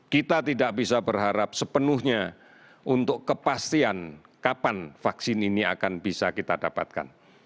kita tidak bisa berharap sepenuhnya untuk kepastian kapan vaksin ini akan bisa kita dapatkan